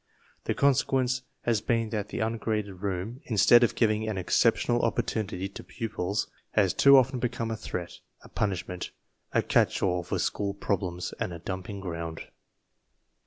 The consequence has been that the ungraded room, instead of giving an exceptional opportunity to pupils, has too often become a threat, a punishment, a catch all for school problems, and a dumping ground.